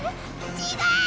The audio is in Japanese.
違う！